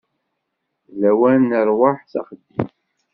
D lawan n rrwaḥ s axeddim.